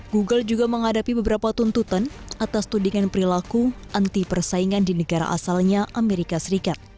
google juga menghadapi beberapa tuntutan atas tudingan perilaku anti persaingan di negara asalnya amerika serikat